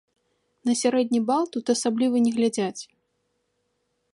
На сярэдні бал тут асабліва не глядзяць.